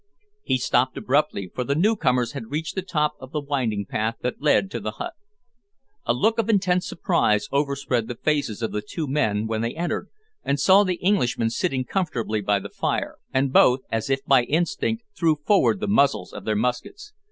He stopped abruptly, for the new comers had reached the top of the winding path that led to the hut. A look of intense surprise overspread the faces of the two men when they entered and saw the Englishmen sitting comfortably by the fire, and both, as if by instinct threw forward the muzzles of their muskets.